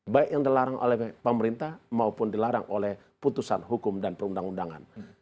baik yang dilarang oleh pemerintah maupun dilarang oleh putusan hukum dan perundang undangan